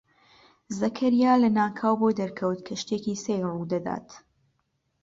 زەکەریا لەناکاو بۆی دەرکەوت کە شتێکی سەیر ڕوو دەدات.